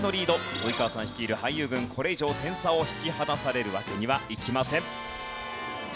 及川さん率いる俳優軍これ以上点差を引き離されるわけにはいきません。